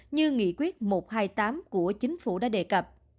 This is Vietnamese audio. như nghị quyết một trăm hai mươi tám của chính phủ đã đề cập